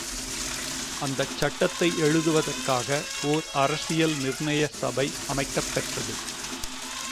அந்தச் சட்டத்தை எழுதுவதற்காக ஓர் அரசியல் நிர்ணய சபை அமைக்கப் பெற்றது.